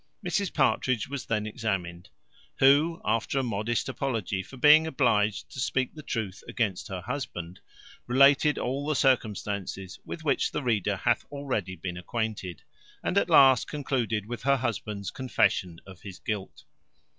Mrs Partridge was then examined, who, after a modest apology for being obliged to speak the truth against her husband, related all the circumstances with which the reader hath already been acquainted; and at last concluded with her husband's confession of his guilt.